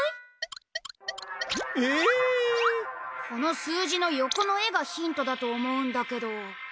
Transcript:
この数字の横の絵がヒントだと思うんだけど。